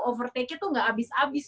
overtake nya tuh gak abis abis